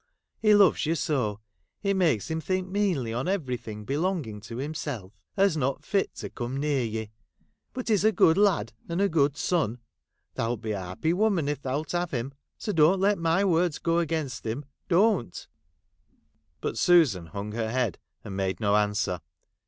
He loves you so, it makes him think meanly on everything belonging to himself, as not fit to come near ye, — but he 's a good lad, and a good son — thou 'It be a happy woman if thou 'It have him, — so don't let my words go against him ; don't !' But Susan hung her head and made no answer.